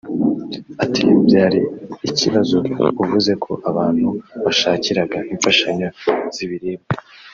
ati “ byaba ari ikibazo uvuze ko abantu washakiraga imfashanyo z’ibiribwa